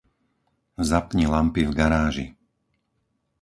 Zapni lampy v garáži.